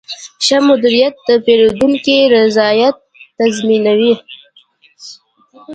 ښه مدیریت د پیرودونکي رضایت تضمینوي.